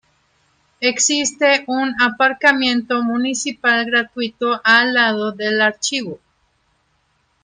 Existe un aparcamiento municipal gratuito al lado del Archivo.